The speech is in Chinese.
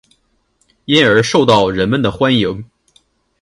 因而受到人们的欢迎。